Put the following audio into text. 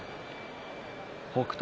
北勝